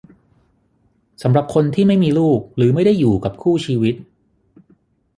สำหรับคนที่ไม่มีลูกหรือไม่ได้อยู่กับคู่ชีวิต